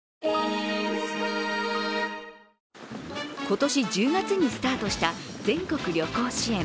今年１０月にスタートした全国旅行支援。